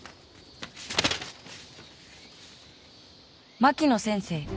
「槙野先生